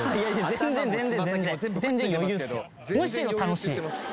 むしろ楽しい？